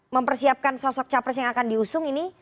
mempersiapkan sosok capres yang akan diusung ini